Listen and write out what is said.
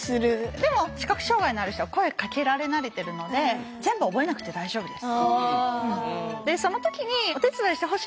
でも視覚障害のある人は声かけられ慣れているので全部覚えなくて大丈夫です。